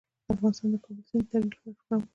افغانستان د د کابل سیند د ترویج لپاره پروګرامونه لري.